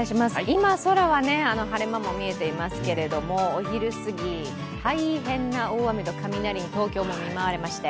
今、空は晴れ間も見えていますけどお昼すぎ、大変な大雨と雷に東京も見舞われまして。